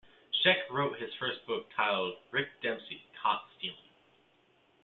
Schaech wrote his first book titled "Rick Dempsey's Caught Stealing".